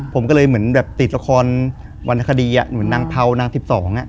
ผมก็เลยเหมือนแบบติดละครวรรณคดีเหมือนนางเผานาง๑๒